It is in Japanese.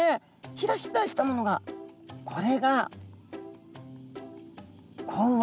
ひらひらしたものがこれが口腕。